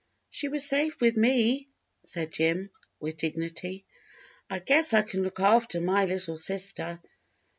"She was safe with me," said Jim, with dignity. "I guess I can look after my little sister."